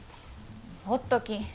ほっとき。